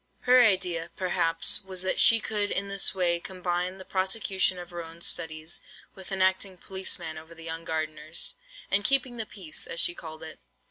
Her idea, perhaps, was, that she could in this way combine the prosecution of her own studies, with enacting policeman over the young gardeners, and "keeping the peace," as she called it.